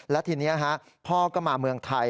และทีนี้พ่อก็มาเมืองไทย